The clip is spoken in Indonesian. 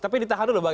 tapi ditahan dulu bang